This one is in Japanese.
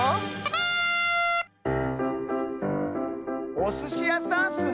おすしやさんスね！